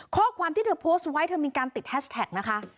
ข้อความที่เธอโพสต์ไว้เธอมีการติดแฮชแท็กนะคะ